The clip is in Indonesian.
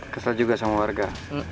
kesel juga sama warga